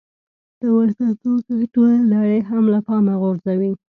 په ورته توګه ټوله نړۍ هم له پامه غورځوي.